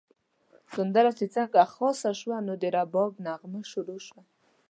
سندره چې څنګه خلاصه شوه، نو د رباب نغمه شروع شوه.